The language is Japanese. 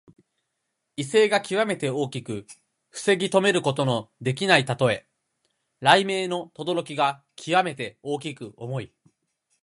威勢がきわめて大きく防ぎとめることのできないたとえ。雷鳴のとどろきがきわめて大きく重い。